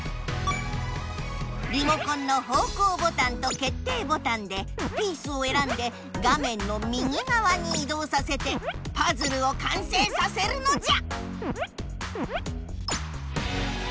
リモコンの方向ボタンと決定ボタンでピースをえらんで画めんの右がわにいどうさせてパズルを完成させるのじゃ！